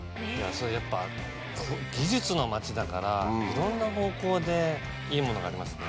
やっぱ技術の町だからいろんな方向でいいものがありますね。